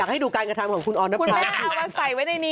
อยากให้ดูการกระทำของคุณอายภาพ